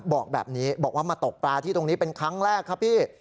บอกแบบนี้บอกว่ามาตกปลาที่ตรงนี้เป็นครั้งแรกครับพี่